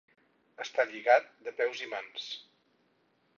Estar lligat de peus i mans.